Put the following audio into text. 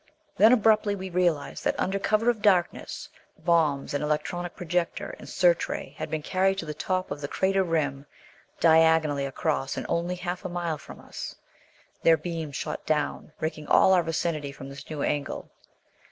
Then abruptly we realized that under cover of darkness bombs, an electronic projector and searchray had been carried to the top of the crater rim, diagonally across and only half a mile from us. Their beams shot down, raking all our vicinity from this new angle.